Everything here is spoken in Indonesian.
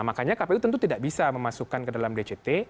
makanya kpu tentu tidak bisa memasukkan ke dalam dct